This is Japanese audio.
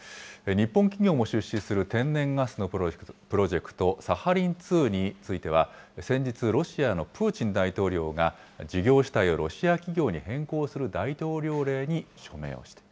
日本企業も出資する天然ガスのプロジェクト、サハリン２については、先日、ロシアのプーチン大統領が事業主体をロシア企業に変更する大統領令に署名をした。